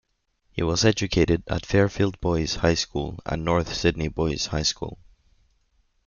He was educated at Fairfield Boys High School and North Sydney Boys High School.